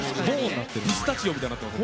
ピスタチオみたいになってます。